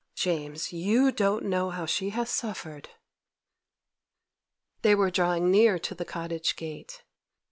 'Oh, James, you don't know how she has suffered!' They were drawing near to the cottage gate.